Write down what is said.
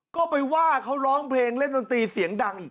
ก็ไปว่าเขาร้องเพลงเล่นดนตรีเสียงดังอีก